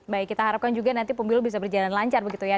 baik kita harapkan juga nanti pemilu bisa berjalan lancar begitu ya